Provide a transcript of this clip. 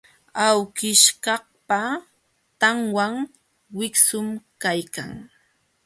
Awkishkaqpa tanwan wiksum kaykan.